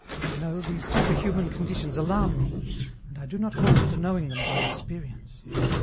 " No, these superhuman conditions alarm me, and I do not hold to knowing them by experience.